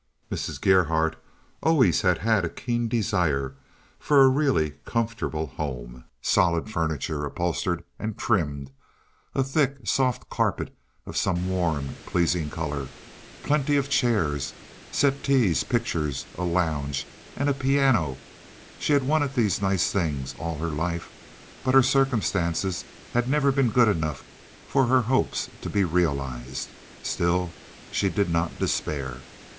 Mrs. Gerhardt always had had a keen desire for a really comfortable home. Solid furniture, upholstered and trimmed, a thick, soft carpet of some warm, pleasing color, plenty of chairs, settees, pictures, a lounge, and a piano—she had wanted these nice things all her life, but her circumstances had never been good enough for her hopes to be realized. Still she did not despair.